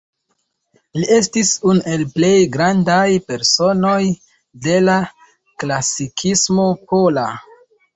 Li estis unu el plej grandaj personoj de la klasikismo pola.